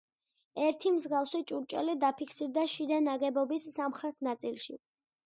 ერთი მსგავსი ჭურჭელი დაფიქსირდა შიდა ნაგებობის სამხრეთ ნაწილში.